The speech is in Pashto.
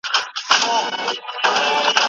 د کلمو د سمې مانا لپاره املا ته اړتیا لرو.